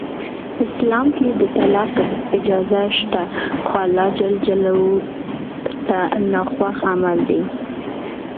اسلام کې د طلاق اجازه شته خو الله ج ته ناخوښ عمل دی.